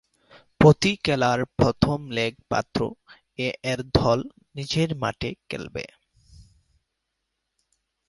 প্রতি খেলার প্রথম লেগ পাত্র এ-এর দল নিজের মাঠে খেলবে।